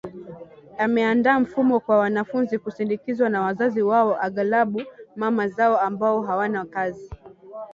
Ameandaa mfumo kwa wanafunzi kusindikizwa na wazazi wao aghlabu mama zao ambao hawana kazi